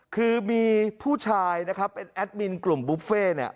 คือมีผู้ชายนะครับเป็นแอดมินกลุ่มบุฟเฟ่เนี่ย